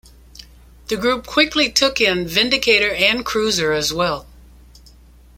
The group quickly took in Vindicator and Cruiser as well.